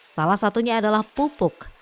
salah satunya adalah pupuk